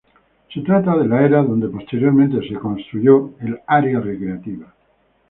Se trata de la era donde posteriormente se construyó el área recreativa.